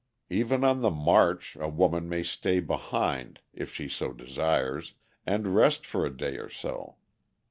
Even on the march a woman may stay behind (if she so desires) and rest for a day or so.